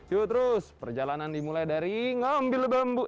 yuk terus perjalanan dimulai dari ngambil bambu